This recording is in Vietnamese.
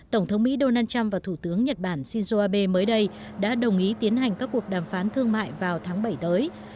tổng thống mỹ donald trump và thủ tướng nhật bản shinzo abe mới đây đã đồng ý tiến hành các cuộc đàm phán thương mại vào tháng bảy tới